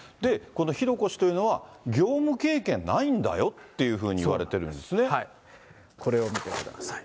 この浩子氏というのは業務経験ないんだよっていうふうにいわれてこれを見てください。